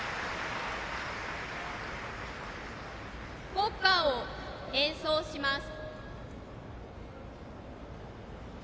国歌を演奏します。